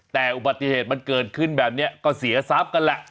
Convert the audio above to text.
แต่อุบัติเหตุมันเกิดขึ้นแบบนี้ก็เสียทรัพย์กันแหละ